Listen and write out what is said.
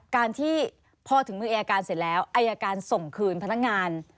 การที่พอถึงมืออายการเสร็จแล้วอายการส่งคืนพนักงาน